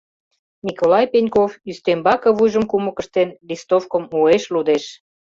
Николай Пеньков, ӱстембаке вуйжым кумык ыштен, листовкым уэш лудеш.